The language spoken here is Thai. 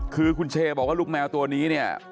คือครูเชบอกลูกแมวตัวนี้นี้